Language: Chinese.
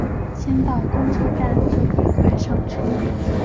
先到公车站就赶快上车